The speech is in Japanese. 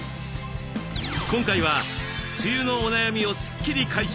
今回は梅雨のお悩みをスッキリ解消！